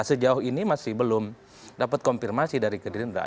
sejauh ini masih belum dapat konfirmasi dari gerindra